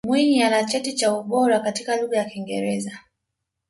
Mwinyi ana cheti cha ubora katika Lugha ya Kiingereza